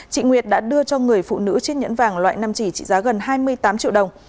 chị nguyệt đã đưa cho người phụ nữ chiếc nhẫn vàng loại năm chỉ trị giá gần hai mươi tám triệu đồng